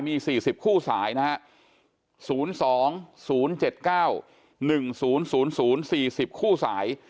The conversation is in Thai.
มี๔๐คู่สายนะฮะ๐๒๐๗๙๑๐๐๔๐คู่สาย